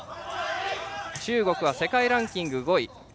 中国は世界ランキング５位。